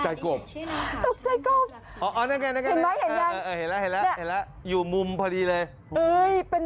เห็นแล้วอยู่มุมพอดีเลย